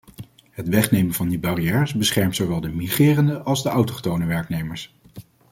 Het wegnemen van die barrières beschermt zowel de migrerende als de autochtone werknemers.